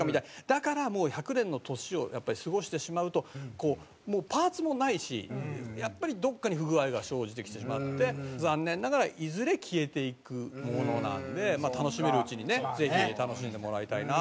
だからもう１００年の年をやっぱり過ごしてしまうともうパーツもないしやっぱりどこかに不具合が生じてきてしまって残念ながらいずれ消えていくものなんで楽しめるうちにねぜひ楽しんでもらいたいなと。